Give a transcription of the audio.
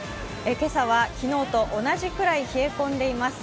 今朝は昨日と同じぐらい冷え込んでいます。